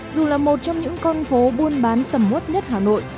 dù là một trong những con phố buôn bán sầm mút nhất hà nội